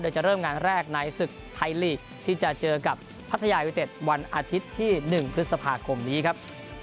โดยจะเริ่มงานแรกในศึกไทยลีกที่จะเจอกับพัทยายูเต็ดวันอาทิตย์ที่๑พฤษภาคมนี้ครับ